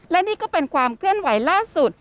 และนี่ก็เป็นความเคลื่อนไหวล่าสุด